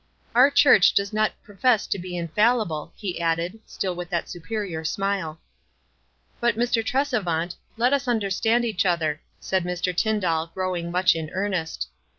" Our church does not pro fess to be infallible," he added, still with that superior smile. "But, Mr. Tresevant, let ub understand each other," said Mr. Tyndall, gi owing much in earnest.